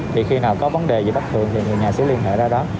thì khi nào có vấn đề gì bất thường thì người nhà sẽ liên hệ ra đó